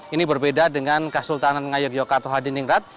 ini berbeda dengan kesultanan ngyayug jogarta atau hadiningrat